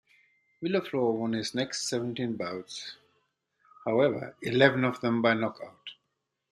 Villaflor won his next seventeen bouts, however, eleven of them by knockout.